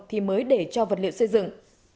thì mới để cho vật liệu xây dựng